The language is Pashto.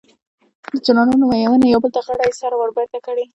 د چنارونو ونې یو بل ته غړۍ سره وربېرته کړي.